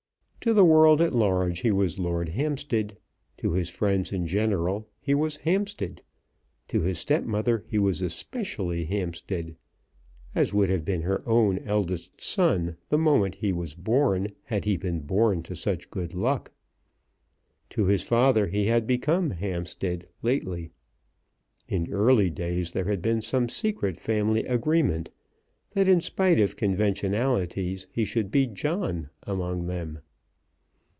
To the world at large he was Lord Hampstead, to his friends in general he was Hampstead; to his stepmother he was especially Hampstead, as would have been her own eldest son the moment he was born had he been born to such good luck. To his father he had become Hampstead lately. In early days there had been some secret family agreement that in spite of conventionalities he should be John among them.